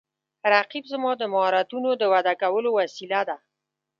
رقیب زما د مهارتونو د وده کولو وسیله ده